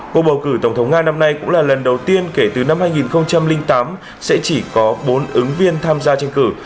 cuộc bầu cử tổng thống nga năm nay cũng là lần đầu tiên kể từ năm hai nghìn tám sẽ chỉ có bốn ứng viên tham gia tranh cử